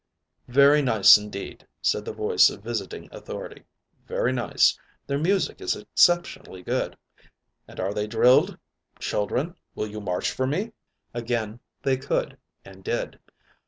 "Very nice, indeed," said the voice of visiting authority. "Very nice. Their music is exceptionally good. And are they drilled? Children, will you march for me?" Again they could and did.